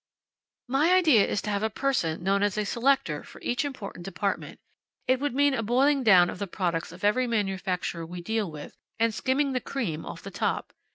"My idea is to have a person known as a selector for each important department. It would mean a boiling down of the products of every manufacturer we deal with, and skimming the cream off the top.